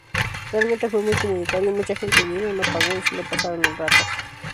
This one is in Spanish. Realmente fue muy comunitario...Mucha gente vino, no pagó y solo pasaron el rato.